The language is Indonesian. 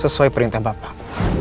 sesuai perintah bapak